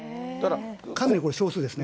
かなり少数ですね。